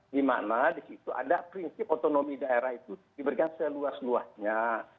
di mana di situ ada prinsip otonomi daerah itu diberikan seluas luasnya